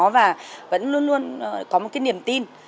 và vẫn luôn luôn có một cái niềm tin